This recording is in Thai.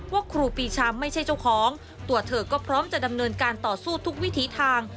ครูปีชาไม่ใช่เจ้าของตัวเธอก็พร้อมจะดำเนินการต่อสู้ทุกวิถีทาง